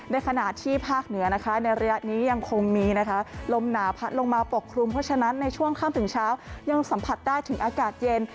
ในขณะที่ภาคเหนือนะคะในระยะนี้ยังคงมีนะคะลมหนาพัดลงมาปกครุมเพราะฉะนั้นในช่วงค่ำถึงเช้ายังสัมผัสได้ถึงอากาศเย็น